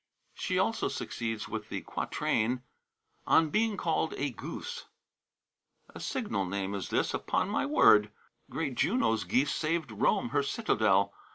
She also succeeds with the quatrain: ON BEING CALLED A GOOSE. A signal name is this, upon my word! Great Juno's geese saved Rome her citadel.